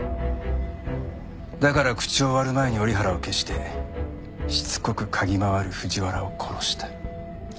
だから口を割る前に折原を消してしつこく嗅ぎ回る藤原を殺した。